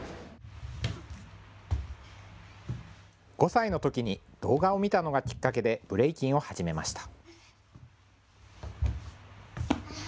５歳のときに動画を見たのがきっかけでブレイキンを始めました。